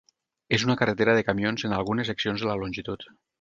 És una carretera de camions en algunes seccions de la longitud.